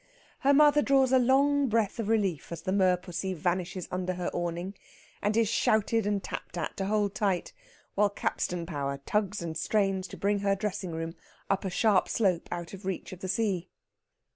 Her mother draws a long breath of relief as the merpussy vanishes under her awning, and is shouted and tapped at to hold tight, while capstan power tugs and strains to bring her dressing room up a sharp slope out of reach of the sea.